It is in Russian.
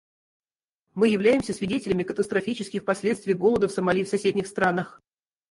Мы являемся свидетелями катастрофических последствий голода в Сомали и в соседних странах.